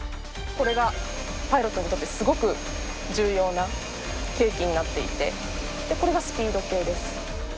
これがパイロットにとってすごく重要な計器になっていて、これがスピード計です。